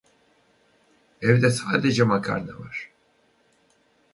Evde sadece makarna var.